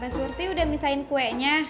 surti udah misahin kuenya